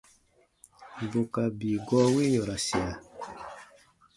Bù ka bii gɔɔ wi yɔ̃rasia.